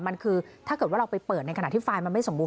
มันคือถ้าเกิดว่าเราไปเปิดในขณะที่ไฟล์มันไม่สมบู